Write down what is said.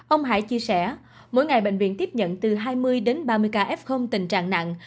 ông hải chia sẻ mỗi ngày bệnh viện tiếp nhận từ hai mươi đến ba mươi ca f tình trạng nặng